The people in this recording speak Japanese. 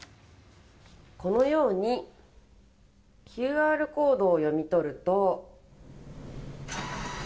このようにＱＲコードを読み取ると。